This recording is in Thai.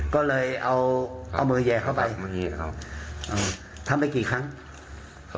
ก็เลยเอาเอาเมอแยกเข้าไปมึงหีธาครับอืมทำไปกี่ครั้งเข้าไปค่ะ